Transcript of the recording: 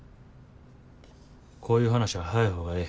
こういう話は早い方がええ。